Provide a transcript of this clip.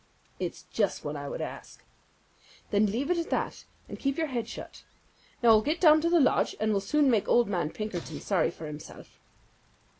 "It's just what I would ask." "Then leave it at that and keep your head shut. Now I'll get down to the lodge, and we'll soon make old man Pinkerton sorry for himself."